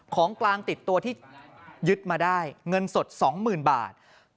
ของกลางติดตัวที่ยึดมาได้เงินสด๒๐๐๐บาท